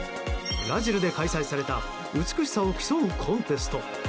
ブラジルで開催された美しさを競うコンテスト。